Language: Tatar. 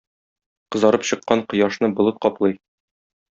Кызарып чыккан кояшны болыт каплый.